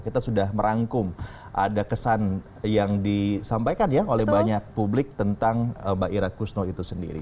kita sudah merangkum ada kesan yang disampaikan ya oleh banyak publik tentang mbak ira kusno itu sendiri